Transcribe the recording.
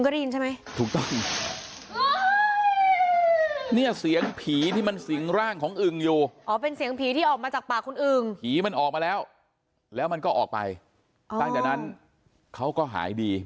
ดิฉันได้ยินคนเดียวเหรอเสียงนี้